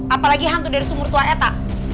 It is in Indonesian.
apalagi hantu dari sumur tua eta